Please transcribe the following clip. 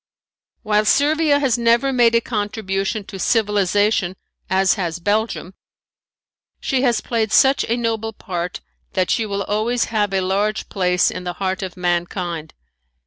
While Servia has never made a contribution to civilization as has Belgium, she has played such a noble part that she will always have a large place in the heart of mankind.